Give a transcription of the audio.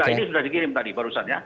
nah ini sudah dikirim tadi barusan ya